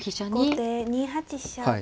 後手２八飛車。